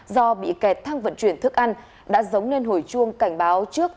do bị kẹt thang vận chuyển thức ăn đã giống nên hồi chuông cảnh báo